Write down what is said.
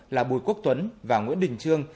là bùi quốc tuấn và nguyễn đình trương